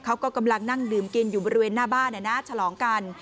เขาก็กำลังนั่งดื่มกินอยู่บริเวณหน้าบ้านฉลองกัน